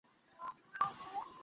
এটা একটা অ্যাম্বুশ!